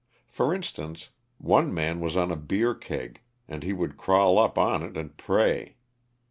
For instance one man was on a beer keg, and he would crawl up on it and pray.